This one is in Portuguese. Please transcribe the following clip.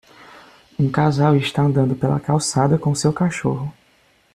um casal está andando pela calçada com seu cachorro